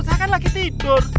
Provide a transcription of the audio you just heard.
saya kan lagi tidur